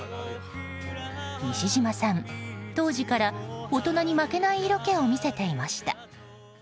西島さん当時から、大人に負けない色気を見せていました。